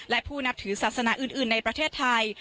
และผู้นับถือศาสนาอื่นในประเทศไทย